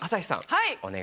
はい。